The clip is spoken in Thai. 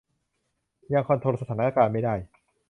ยังคอนโทรลสถานการณ์ไม่ได้